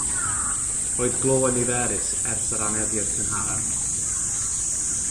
Roedd glo yn niferus ers yr anheddiad cynharaf.